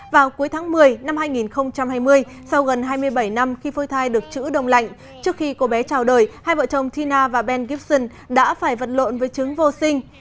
vào cuối tháng một mươi năm hai nghìn hai mươi sau gần hai mươi bảy năm khi phôi thai được chữ đông lạnh trước khi cô bé trào đời hai vợ chồng tina và ben gibson đã phải vật lộn với chứng vô sinh